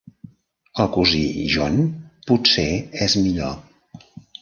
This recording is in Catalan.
El cosí John, potser, és millor.